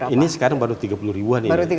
ini sekarang baru tiga puluh ribu